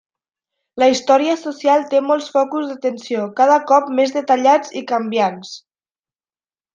La història social té molts focus d'atenció, cada cop més detallats i canviants.